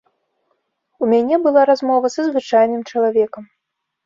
У мяне была размова са звычайным чалавекам.